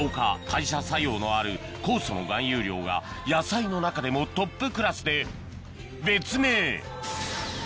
代謝作用のある酵素の含有量が野菜の中でもトップクラスで別名